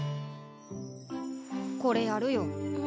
これやるよ。